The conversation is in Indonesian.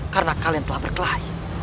karena kalian telah berkelahi